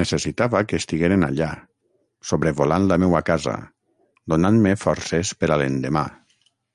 Necessitava que estigueren allà, sobrevolant la meua casa, donant-me forces per a l'endemà.